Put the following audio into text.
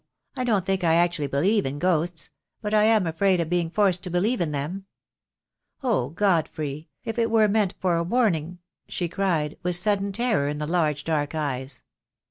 I don't think I actually believe in ghosts — but I am afraid of being forced to believe in them. Oh, Godfrey, if it were meant for a warning," she cried, with sudden terror in the large dark eyes.